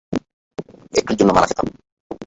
একটুর জন্য মারা খেতাম।